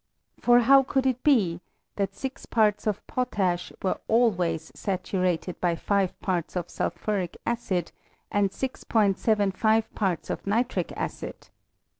For how could it be, that six parts of potash were always sa turated by five parts of sulphuric acid and 6 75 parts of nitric acid